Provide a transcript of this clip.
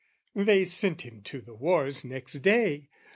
They sent him to the wars next day.